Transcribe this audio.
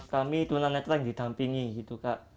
kami tunanetra yang didampingi gitu kak